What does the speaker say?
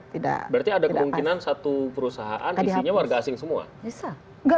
berarti ada kemungkinan satu perusahaan isinya warga asing semua